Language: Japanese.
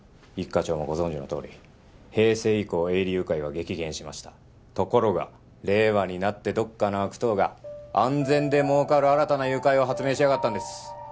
課長もご存じのとおり平成以降営利誘拐は激減しましたところが令和になってどっかの悪党が安全で儲かる新たな誘拐を発明しやがったんです